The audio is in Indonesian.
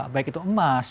baik itu emas